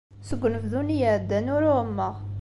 Seg unebdu-nni iɛeddan ur ɛummeɣ.